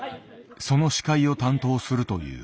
その司会を担当するという。